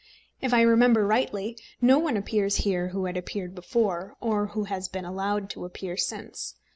If I remember rightly, no one appears here who had appeared before or who has been allowed to appear since.